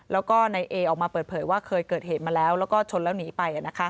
แล้วก็นายเอออกมาเปิดเผยว่าเคยเกิดเหตุมาแล้วแล้วก็ชนแล้วหนีไป